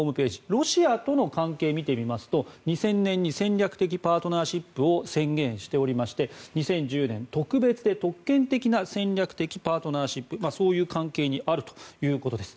ロシアとの関係を見てみますと２０００年に戦略的パートナーシップを宣言しておりまして２０１０年、特別で特権的な戦略的パートナーシップそういう関係にあるということです。